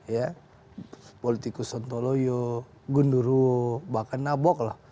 ya politikus sontoloyo gunduru bahkan nabok lah